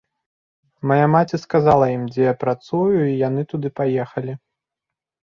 Мая маці сказала ім, дзе я працую, і яны туды паехалі.